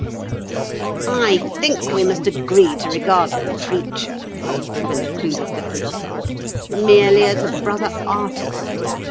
'" "I think we must agree to regard the preacher," concluded the Philosopher, "merely as a brother artist.